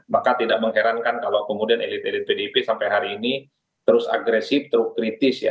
maka tidak mengherankan kalau kemudian elit elit pdip sampai hari ini terus agresif terus kritis ya